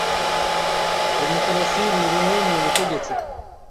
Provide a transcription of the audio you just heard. Demokarasi ni bumwe mu butegetsi.